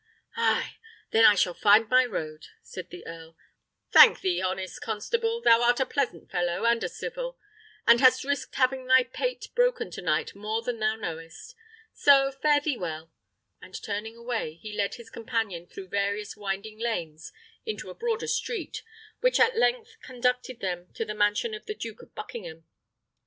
"Ay; then I shall find my road," said the earl. "Thank thee, honest constable; thou art a pleasant fellow, and a civil, and hast risked having thy pate broken to night more than thou knowest. So, fare thee well!" and turning away, he led his companion through various winding lanes into a broader street, which at length conducted them to the mansion of the Duke of Buckingham.